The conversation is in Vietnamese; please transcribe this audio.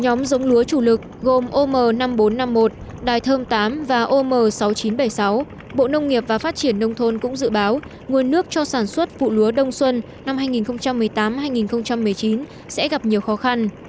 nhóm giống lúa chủ lực gồm om năm nghìn bốn trăm năm mươi một đài thơm tám và om sáu nghìn chín trăm bảy mươi sáu bộ nông nghiệp và phát triển nông thôn cũng dự báo nguồn nước cho sản xuất vụ lúa đông xuân năm hai nghìn một mươi tám hai nghìn một mươi chín sẽ gặp nhiều khó khăn